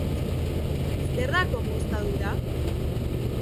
Zer da komunztadura?